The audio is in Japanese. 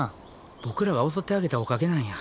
ボクらが襲ってあげたおかげなんや。